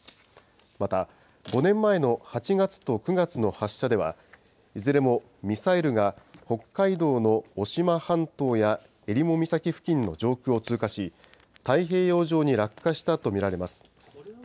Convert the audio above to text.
また５年前の８月と９月の発射では、いずれもミサイルが北海道の渡島半島やえりも岬付近の上空を通過し、太平洋上に落下したと見られます。